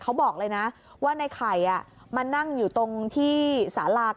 เขาบอกเลยนะว่าในไข่มานั่งอยู่ตรงที่สาลาก